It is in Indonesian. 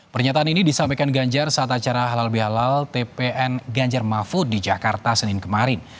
pernyataan ini disampaikan ganjar saat acara halal bihalal tpn ganjar mahfud di jakarta senin kemarin